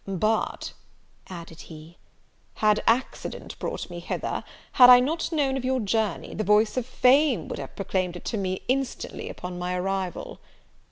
"But," added he, "had accident brought me hither, had I not known of your journey, the voice of fame would have proclaimed it to me instantly upon my arrival."